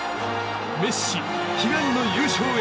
メッシ、悲願の優勝へ。